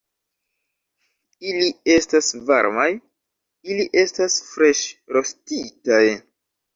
Ili estas varmaj... ili estas freŝrostitaj